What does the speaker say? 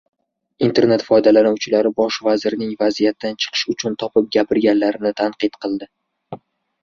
Internet foydalanuvchilari bosh vazirning vaziyatdan chiqish uchun topib gapirganlarini tanqid qildi